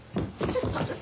ちょっと。